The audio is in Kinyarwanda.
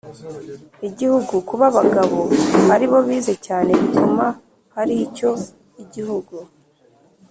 igihugu. Kuba abagabo ari bo bize cyane bituma hari icyo Igihugu